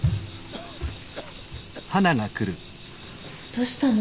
どうしたの？